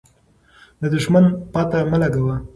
د دښمن پته مه لګوه.